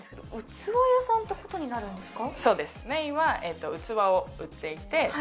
器屋さんってことになるんですか？